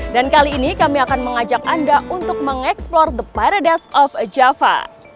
dan kali ini kami akan mengajak anda untuk mengeksplore the paradise of java